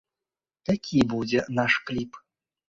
Такі будзе наш кліп.